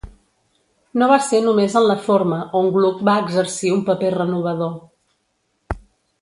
No va ser només en la forma on Gluck va exercir un paper renovador.